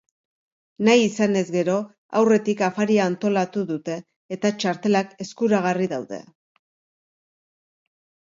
Nahi izanez gero, aurretik afaria antolatu dute eta txartelak eskuragari daude.